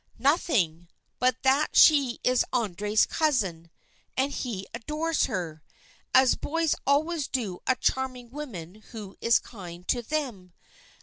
"Nothing, but that she is André's cousin, and he adores her, as boys always do a charming woman who is kind to them.